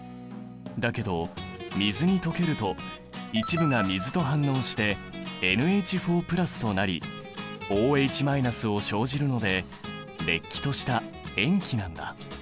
だけど水に溶けると一部が水と反応してＮＨとなりＯＨを生じるのでれっきとした塩基なんだ。